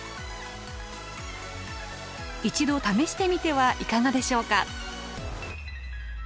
一度試してみてはいかがでしょうか。